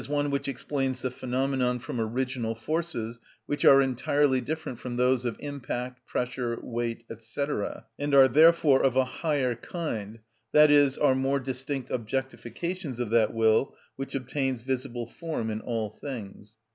_, one which explains the phenomenon from original forces which are entirely different from those of impact, pressure, weight, &c., and are therefore of a higher kind, i.e., are more distinct objectifications of that will which obtains visible form in all things.